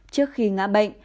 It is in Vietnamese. trước khi ngã bệnh